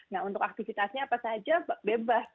nah untuk aktivitasnya apa saja bebas